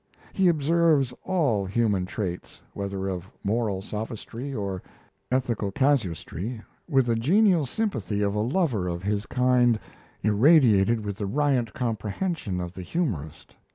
He observes all human traits, whether of moral sophistry or ethical casuistry, with the genial sympathy of a lover of his kind irradiated with the riant comprehension of the humorist.